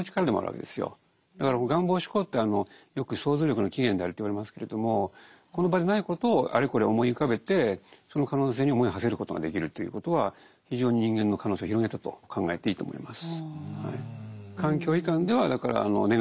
だから「願望思考」ってよく想像力の起源であると言われますけれどもこの場でないことをあれこれ思い浮かべてその可能性に思いをはせることができるということは非常に人間の可能性を広げたと考えていいと思います。